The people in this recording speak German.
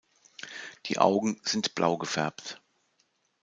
Die Augen sind blau gefärbt.